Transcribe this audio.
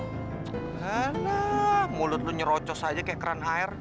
gimana mulut lu nyerocos aja kayak kran hair